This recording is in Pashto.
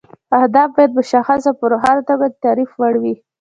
اهداف باید مشخص او په روښانه توګه د تعریف وړ وي.